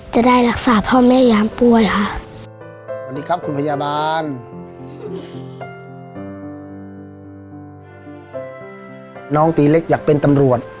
จะได้รักษาพ่อแม่ยามป่วยค่า